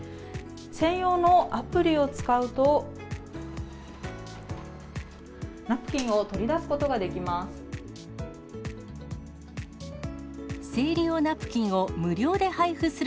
専用のアプリを使うと、ナプキンを取り出すことができます。